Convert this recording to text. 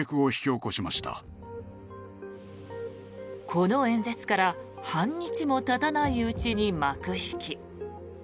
この演説から半日もたたないうちに幕引き。